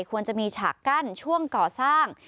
ควรจะมีฉากกั้นช่วงก่อสร้าง